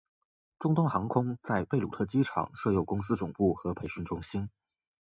中东航空在贝鲁特机场设有公司总部和培训中心。